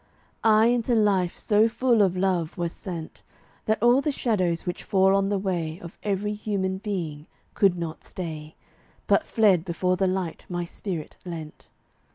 I into life so full of love was sent That all the shadows which fall on the way Of every human being could not stay, But fled before the light my spirit lent.